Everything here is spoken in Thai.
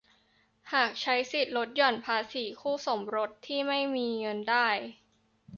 หากใช้สิทธิ์ลดหย่อนภาษีคู่สมรสที่ไม่มีเงินได้